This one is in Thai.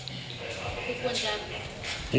คุณควรจะ